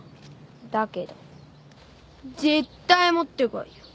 だけど絶対持って来いよ。